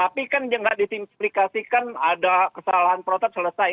tapi kan dia nggak disimplikasikan ada kesalahan proses selesai